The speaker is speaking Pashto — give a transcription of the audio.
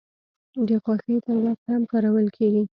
د خوښۍ پر وخت هم کارول کیږي.